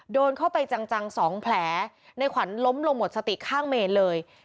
โดนเข้าไปจังสองแผลในขวัญล้มลงหมดสติข้างเมนเลย